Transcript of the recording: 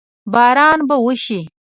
باران به وشي؟